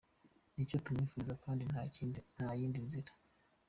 Nicyo tumwifuriza kandi nta yindi nzira.